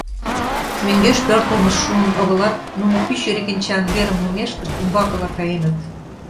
Мӧҥгеш пӧртылмышт шуын огылат, нуно пӱчӧ регенчан верым мумешкышт умбакыла каеныт.